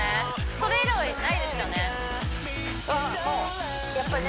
それ以来ないですよね？